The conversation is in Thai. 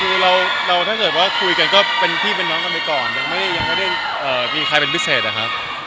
คือเราถ้าเกิดว่าคุยกันก็เป็นพี่เป็นน้องกันไปก่อนยังไม่ได้มีใครเป็นพิเศษอะครับ